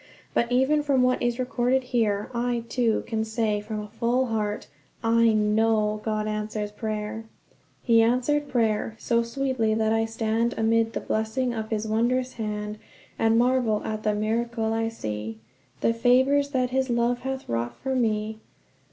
But even from what is recorded here I, too, can say from a full heart, I know God answers prayer. "He answered prayer: so sweetly that I stand Amid the blessing of his wondrous hand And marvel at the miracle I see, The favours that his love hath wrought for me.